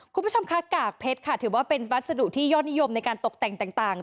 คุณผู้ชมคะกากเพชรค่ะถือว่าเป็นวัสดุที่ยอดนิยมในการตกแต่งต่าง